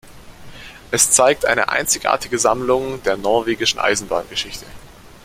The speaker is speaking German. Es zeigt eine einzigartige Sammlung der norwegischen Eisenbahngeschichte.